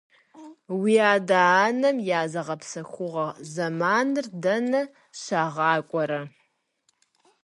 Уи адэ-анэм я зыгъэпсэхугъуэ зэманыр дэнэ щагъакӀуэрэ?